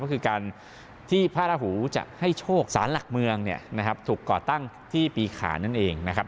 ก็คือการที่พระราหูจะให้โชคสารหลักเมืองเนี่ยนะครับถูกก่อตั้งที่ปีขานั่นเองนะครับ